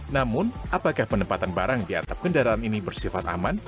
namun apakah penempatan barang di atap kendaraan ini bersifat aman